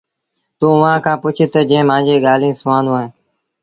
توٚنٚ اُئآݩٚ کآݩ پُڇ تا جنٚهنٚ مآݩجيٚ ڳآليٚنٚ سُوآندونٚ تا